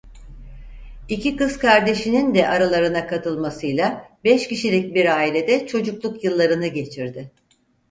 İki kız kardeşinin de aralarına katılmasıyla beş kişilik bir ailede çocukluk yıllarını geçirdi.